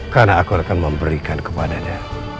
karena aku akan memberikan kepadanya